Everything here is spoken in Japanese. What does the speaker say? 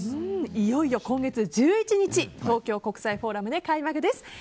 いよいよ今月１１日東京国際フォーラムで開幕です。